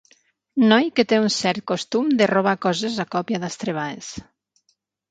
Noi que té un cert costum de robar coses a còpia d'estrebades.